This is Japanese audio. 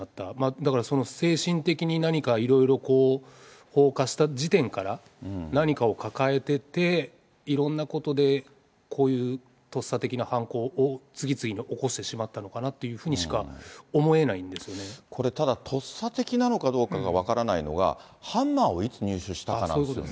だから精神的に何かいろいろこう、放火した時点から、何かを抱えてて、いろんなことでこういう、とっさ的な犯行を次々に起こしてしまったのかなとしか思えないんただ、発作的なのかどうかが分からないですが、ハンマーをいつ入手したかなんですよね。